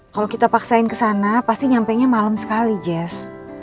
kalau kita paksain kesana pasti nyampainya malem sekali jess